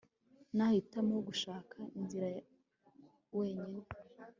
Nahitamo gushaka inzira wenyine